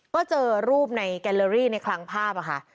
ก็เจอรูปในแกลเลอรี่ในคลังภาพค่ะ